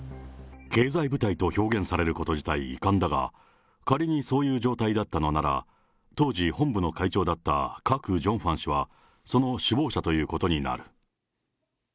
経済部隊と表現されること自体遺憾だが、仮にそういう状態だったのなら、当時、本部の会長だったクァク・ジョンファン氏は、その首謀者ということになる。